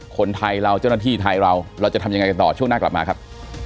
คนไทยเราเจ้าหน้าที่ไทยเราเราจะทำยังไงกันต่อช่วงหน้ากลับมาครับ